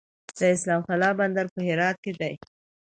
د اسلام قلعه بندر په هرات کې دی